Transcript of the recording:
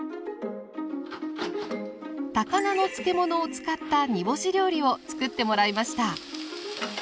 高菜の漬物を使った煮干し料理をつくってもらいました。